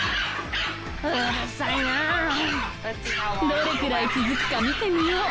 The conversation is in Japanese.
どれくらい続くか見てみよう。